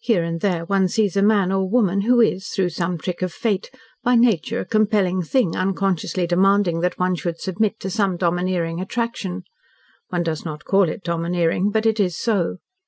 Here and there one sees a man or woman who is, through some trick of fate, by nature a compelling thing unconsciously demanding that one should submit to some domineering attraction. One does not call it domineering, but it is so.